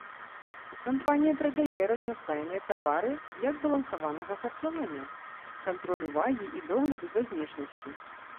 Кампанія прадае разнастайныя тавары для збалансаванага харчавання, кантролю вагі і догляду за знешнасцю.